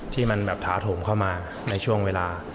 ที่มันแบบท้าโถมเข้ามาในช่วงเวลา